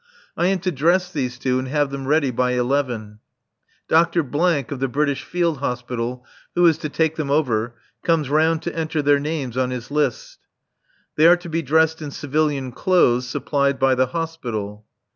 I am to dress these two and have them ready by eleven. Dr. of the British Field Hospital, who is to take them over, comes round to enter their names on his list. They are to be dressed in civilian clothes supplied by the Hospital.